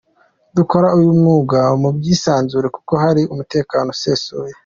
Dukora uyu mwuga mu byisanzure kuko hari umutekano usesuye.